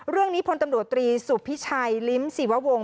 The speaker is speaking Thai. เรื่องนี้พลตำรวจตรีสุบพิชัยลิ้มสีวะวง